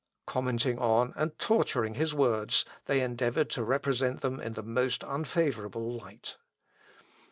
Commenting on, and torturing his words, they endeavoured to represent them in the most unfavourable light.